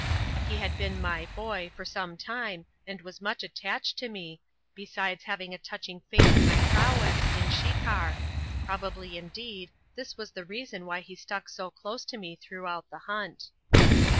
He had been my "boy" for some time and was much attached to me, besides having a touching faith in my prowess in shikar: probably, indeed, this was the reason why he stuck so close to me throughout the hunt.